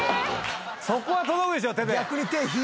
そこは届くでしょ手で！